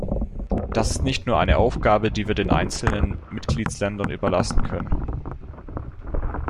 Das ist nicht nur eine Aufgabe, die wir den einzelnen Mitgliedsländern überlassen können.